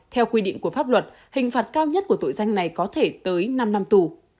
theo quy định của pháp luật hình phạt cao nhất của tội danh này có thể tới năm năm tù